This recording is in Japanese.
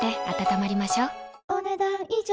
お、ねだん以上。